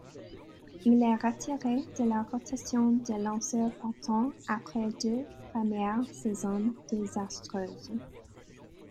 Il est retiré de la rotation de lanceurs partants après deux premières saisons désastreuses.